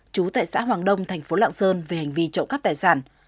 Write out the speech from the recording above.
chú tại xã hoàng đông thành phố lạng sơn về hành vi trộm cắp tài sản